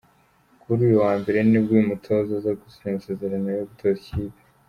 Kuri uyu wa Mbere, nibwo uyu mutoza aza gusinya amasezerano yo gutoza iyi kipe.